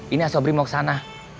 ini aswabrim oksana